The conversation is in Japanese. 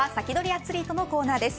アツリートのコーナーです。